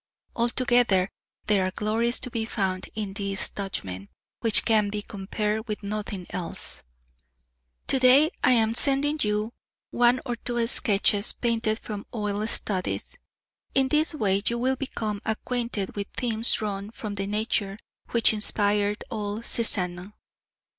Altogether there are glories to be found in these Dutchmen, which can be compared with nothing else. To day I am sending you one or two sketches painted from oil studies. In this way you will become acquainted with themes drawn from the nature which inspired old Cézanne.